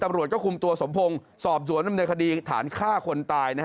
ตำรวจก็คุมตัวสมพงศ์สอบสวนดำเนินคดีฐานฆ่าคนตาย